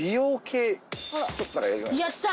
やった！